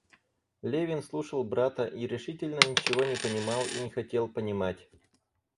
Левин слушал брата и решительно ничего не понимал и не хотел понимать.